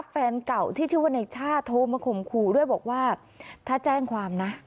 แฟนเก่าที่ชื่อว่าในชาติโทรมาข่มขู่ด้วยบอกว่าถ้าแจ้งความนะ